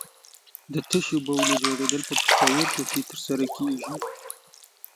د تشو بولو جوړېدل په پښتورګو کې تر سره کېږي.